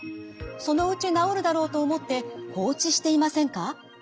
そのうち治るだろうと思って放置していませんか？